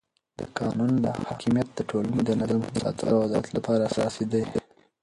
د قانون حاکمیت د ټولنې د نظم د ساتلو او عدالت لپاره اساسي دی